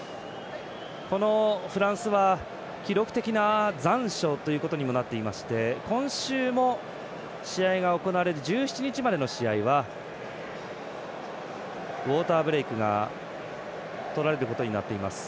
フランスは記録的な残暑ということになっていまして今週も試合が行われる１７日までの試合はウォーターブレイクがとられることになっています。